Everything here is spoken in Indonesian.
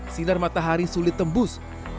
sinar matahari sulit tembus